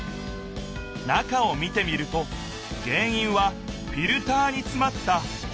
中を見てみると原いんはフィルターにつまったほこりだった。